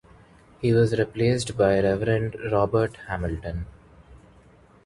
He was replaced by Rev Robert Hamilton.